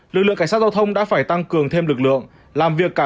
lực lượng cảnh sát giao thông đã phải tăng cường biển số